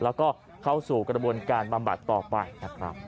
แล้วก็เข้าสู่กระบวนการบำบัดต่อไปนะครับ